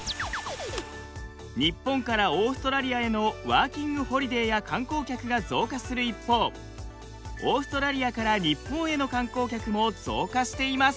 日本からオーストラリアへのワーキング・ホリデーや観光客が増加する一方オーストラリアから日本への観光客も増加しています。